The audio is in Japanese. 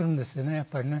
やっぱり。